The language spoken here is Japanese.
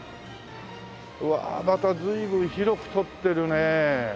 うわまた随分広くとってるねえ。